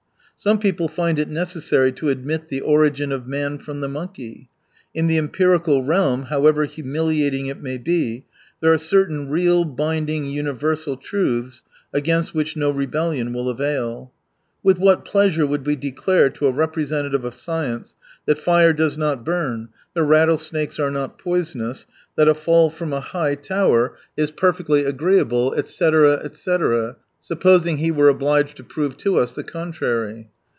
Some people find it necessa(ry to admit the origin of man from the monkey. In the empirical realm, however humiliating it may be, there are certain real, binding, universal truths against which no rebellion will avail. With what pleasure would we declare to a representative of science that fire does not burn, that rattlesnakes are not poisonous, that a fall from a high tower is perfectly o 209 agreeable, etc., etc., supposing he were obliged to prove to us the contrary.